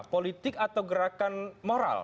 politik atau gerakan moral